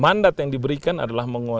mandat yang diberikan adalah menguasai